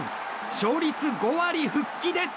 勝率５割復帰です！